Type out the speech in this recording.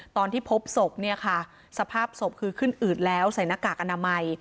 ตอนที่พบศพเนี่ยค่ะสภาพศพคือขึ้นอืดแล้วใส่หน้ากากอนามัย